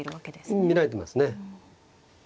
うん見られてますね。